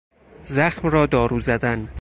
زخم را دارو زدن